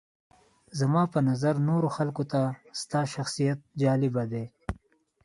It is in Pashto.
زما په نظر نورو خلکو ته ستا شخصیت جالبه دی.